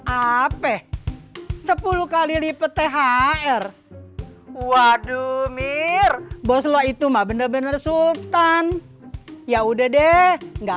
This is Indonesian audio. ape sepuluh kali lipat thr waduh mir boslo itu mah bener bener sultan ya udah deh enggak